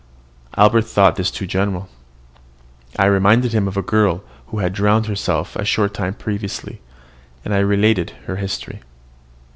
Albert thought this too general. I reminded him of a girl who had drowned herself a short time previously, and I related her history.